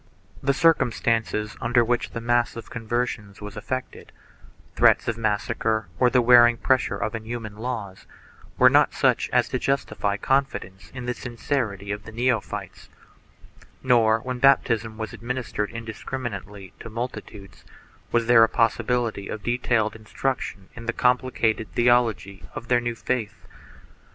The circumstances under which the mass of conversions was effected — threats of massacre or the wearing pressure of inhuman laws — were not such as to justify confidence in the sincerity of the neophytes, nor, when baptism was administered indiscriminately to multi tudes, was there a possibility of detailed instruction in the complicated theology of their new faith.